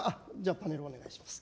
パネルをお願いします。